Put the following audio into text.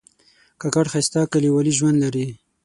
کاکړ ښایسته کلیوالي ژوند لري.